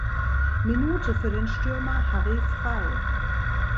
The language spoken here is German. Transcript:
Minute für den Stürmer Harry Frey.